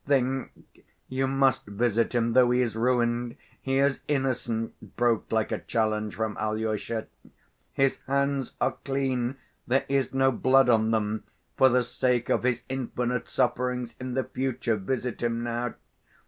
Think—you must visit him; though he is ruined, he is innocent," broke like a challenge from Alyosha. "His hands are clean, there is no blood on them! For the sake of his infinite sufferings in the future visit him now.